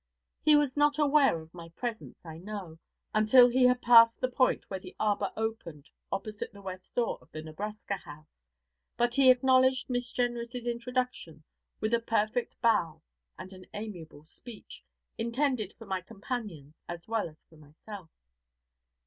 He was not aware of my presence, I know, until he had passed the point where the arbour opened opposite the west door of the Nebraska House, but he acknowledged Miss Jenrys' introduction with a perfect bow and an amiable speech, intended for my companions as well as for myself.